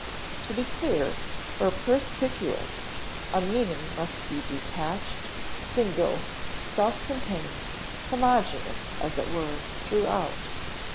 To be clear or perspicuous a meaning must be detached, single, self contained, homogeneous as it were, throughout.